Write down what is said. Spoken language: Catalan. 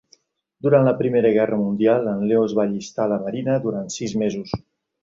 Durant la Primera Guerra Mundial, en Leo es va allistar a la Marina durant sis mesos.